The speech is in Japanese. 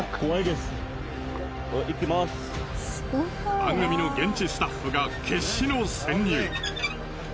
番組の現地スタッフが決死の潜入。